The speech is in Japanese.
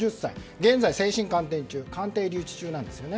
現在、精神鑑定中鑑定留置中なんですよね。